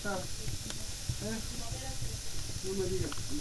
Es citado por Fernández Salinas como uno de los paisajes culturales de Asturias.